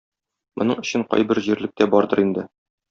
Моның өчен кайбер җирлек тә бардыр инде.